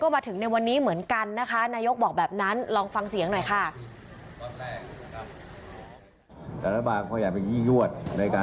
มาถึงในวันนี้เหมือนกันนะคะนายกบอกแบบนั้นลองฟังเสียงหน่อยค่ะ